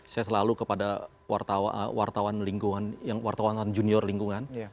saya selalu kepada wartawan yang wartawan junior lingkungan